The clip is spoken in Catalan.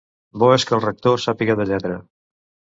Bo és que el rector sàpiga de lletra.